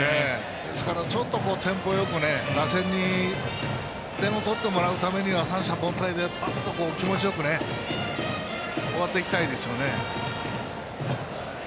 ですから、テンポよく打線に点を取ってもらうためには三者凡退でバッと、気持ちよく終わっていきたいですね。